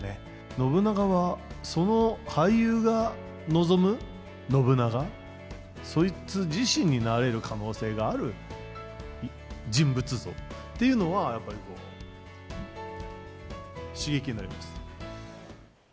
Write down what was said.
信長は、その俳優が望む信長、そいつ自身になれる可能性がある人物像っていうのは、やっぱり刺激になります。